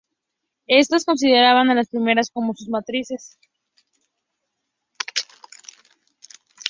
Estas consideraban a las primeras como a sus matrices.